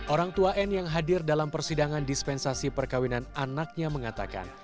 orang tua n yang hadir dalam persidangan dispensasi perkawinan anaknya mengatakan